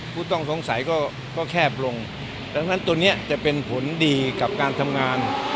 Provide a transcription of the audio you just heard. ผู้ต้องสงสัยก็แคบลงดังนั้นตัวนี้จะเป็นผลดีกับการทำงาน